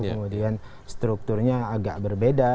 kemudian strukturnya agak berbeda